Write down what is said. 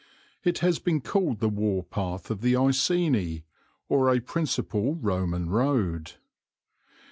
It has been called the warpath of the Iceni, or a principal Roman road.